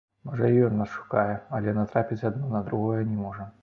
Можа і ён нас шукае, але натрапіць адно на другое не можам.